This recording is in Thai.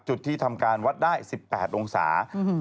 ที่ทำการวัดได้๑๘องศา